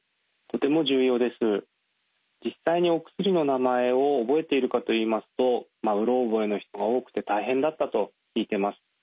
実際にお薬の名前を覚えているかといいますとうろ覚えの人が多くて大変だったと聞いてます。